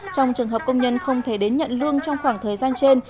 trong trường hợp công nhân không thể đến nhận lương trong khoảng thời gian trên